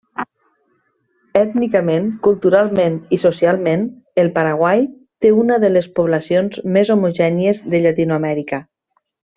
Ètnicament, culturalment i socialment, el Paraguai té una de les poblacions més homogènies de Llatinoamèrica.